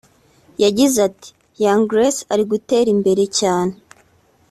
yagize ati “Young Grace ari gutera imbere cyane